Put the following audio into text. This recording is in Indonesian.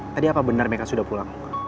tadi apa benar mereka sudah pulang